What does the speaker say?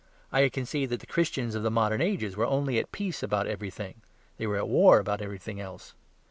I concede that the Christians of the Middle Ages were only at peace about everything they were at war about everything else.